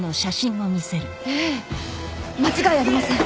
ええ間違いありません。